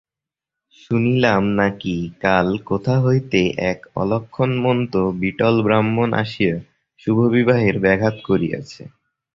শুনিলাম নাকি কাল কোথা হইতে এক অলক্ষণমন্ত বিটল ব্রাহ্মণ আসিয়া শুভবিবাহের ব্যাঘাত করিয়াছে।